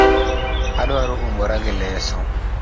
Aduaro umora gi leso